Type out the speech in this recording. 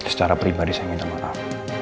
secara pribadi saya minta maaf